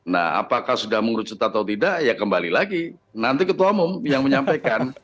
nah apakah sudah mengerucut atau tidak ya kembali lagi nanti ketua umum yang menyampaikan